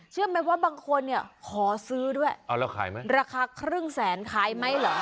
เชื่อไหมว่าบางคนเนี่ยขอซื้อด้วยเอาแล้วขายไหมราคาครึ่งแสนขายไหมเหรอ